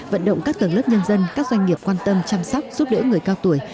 vận động các tầng lớp nhân dân các doanh nghiệp quan tâm chăm sóc giúp đỡ người cao tuổi